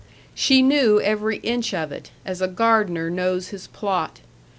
She knew every inch of it, as a gardener knows his plot.